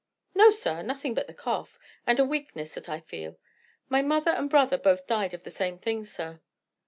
"No, sir; nothing but the cough, and a weakness that I feel. My mother and brother both died of the same thing, sir."